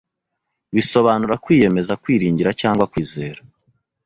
bisobanura kwiyemeza kwiringira cyangwa kwizera